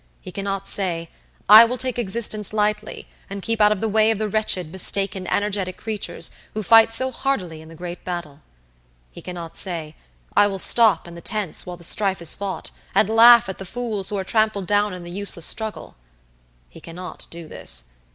He cannot say, 'I will take existence lightly, and keep out of the way of the wretched, mistaken, energetic creatures, who fight so heartily in the great battle.' He cannot say, 'I will stop in the tents while the strife is fought, and laugh at the fools who are trampled down in the useless struggle.' He cannot do this.